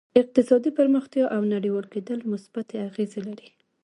اقتصادي پرمختیا او نړیوال کېدل مثبتې اغېزې لري